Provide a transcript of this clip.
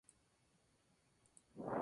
Su localización es controvertida.